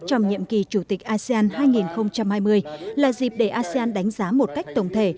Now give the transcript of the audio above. trong nhiệm kỳ chủ tịch asean hai nghìn hai mươi là dịp để asean đánh giá một cách tổng thể